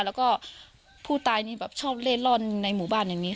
แล้วก็ผู้ตายนี่แบบชอบเล่นร่อนในหมู่บ้านอย่างนี้